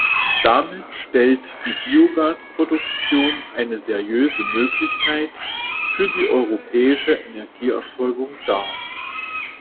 Damit stellt die Biogasproduktion eine seriöse Möglichkeit für die europäische Energieerzeugung dar.